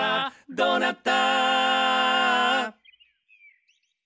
「どうなった！」